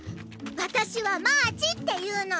わたしはマーチっていうの！